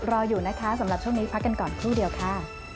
รออยู่นะคะสำหรับช่วงนี้พักกันก่อนครู่เดียวค่ะ